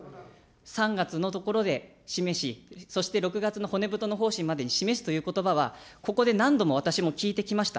３月のところで示し、そして６月の骨太の方針までに示すということばは、ここで何度も私も聞いてきました。